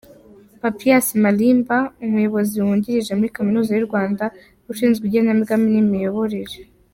Papias Malimba, umuyobozi wungirije muri kaminuza y’u Rwanda ushinzwe igenamigambi n’imiyoborere.